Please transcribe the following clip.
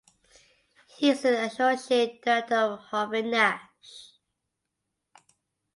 He is an Associate Director of Harvey Nash.